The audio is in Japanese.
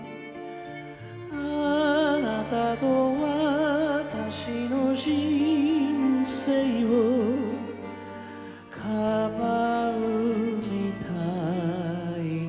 「あなたと私の人生をかばうみたいに」